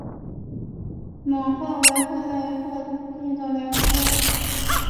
猛隼为隼科隼属的鸟类。